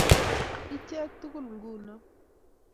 Ichek tugul ngunoo.